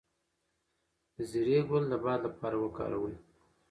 د زیرې ګل د باد لپاره وکاروئ